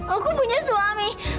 aku punya suami